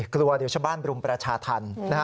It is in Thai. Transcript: กลัวเดี๋ยวชาวบ้านรุมประชาธรรมนะฮะ